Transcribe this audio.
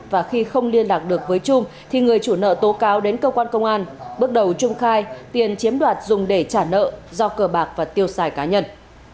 và khi không liên lạc được với trung thì người chủ nợ tố cáo đến cơ quan công an bước đầu trung khai tiền chiếm đoạt dùng để trả nợ do cờ bạc và tiêu xài cá nhân